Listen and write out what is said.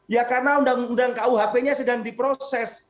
ya karena undang undang kuhp nya sedang diproses